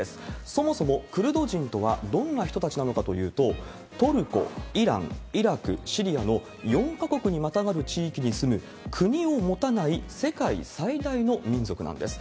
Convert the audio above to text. そもそもクルド人とはどんな人たちなのかというと、トルコ、イラン、イラク、シリアの４か国にまたがる地域に住む、国を持たない世界最大の民族なんです。